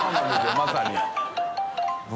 まさに。